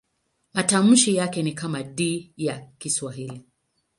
Matamshi yake ni kama D ya Kiswahili.